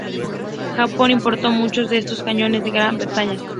Japón importó muchos de estos cañones de Gran Bretaña.